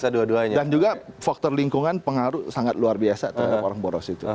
dan juga faktor lingkungan pengaruh sangat luar biasa terhadap orang boros itu